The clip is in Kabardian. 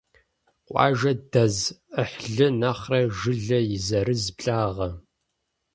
Къуажэ дэз Ӏыхьлы нэхърэ жылэ и зэрыз благъэ.